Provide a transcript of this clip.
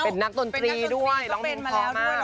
เป็นนักดนตรีด้วยร้องเพลงพอมาก